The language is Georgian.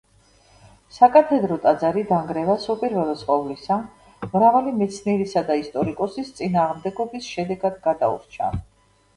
საკათედრო ტაძარი დანგრევას, უპირველეს ყოვლისა, მრავალი მეცნიერისა და ისტორიკოსის წინააღმდეგობის შედეგად გადაურჩა.